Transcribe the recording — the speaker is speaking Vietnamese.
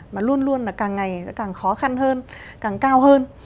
mà luôn luôn là càng ngày càng khó khăn hơn càng cao hơn